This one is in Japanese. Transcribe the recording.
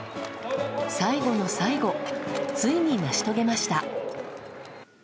最後の最後ついに成し遂げました。